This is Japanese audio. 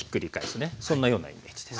そんなようなイメージです。